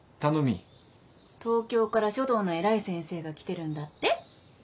東京から書道の偉い先生が来てるんだって？